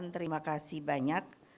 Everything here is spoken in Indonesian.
terima kasih banyak